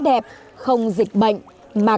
đẹp không dịch bệnh mà